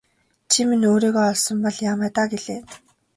Чи минь өөрийгөө олсон бол яамай даа гэлээ.